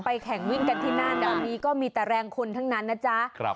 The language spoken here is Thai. แข่งวิ่งกันที่นั่นแบบนี้ก็มีแต่แรงคนทั้งนั้นนะจ๊ะ